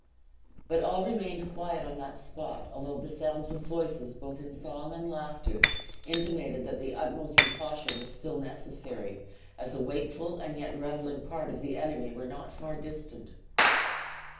But all remained quiet on that spot, although the sounds of voices, both in song and laughter, intimated that the utmost precaution was still necessary, as a wakeful and yet reveling part of the enemy were not far distant.